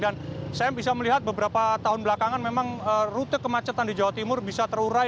dan saya bisa melihat beberapa tahun belakangan memang rute kemacetan di jawa timur bisa terurai